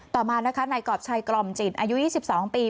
ต่อมาในกรอบชายกร่อมจิตอายุ๒๒ปี